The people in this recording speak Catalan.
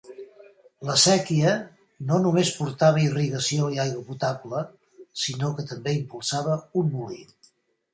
La séquia no només portava irrigació i aigua potable, sinó que també impulsava un molí.